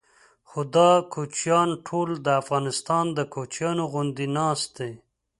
خو دا کوچیان ټول د افغانستان د کوچیانو غوندې ناست دي.